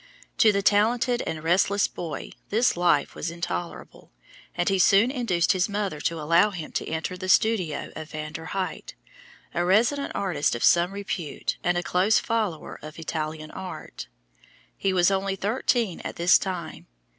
To the talented and restless boy this life was intolerable, and he soon induced his mother to allow him to enter the studio of Van der Haeght, a resident artist of some repute and a close follower of Italian Art. He was only thirteen at this time.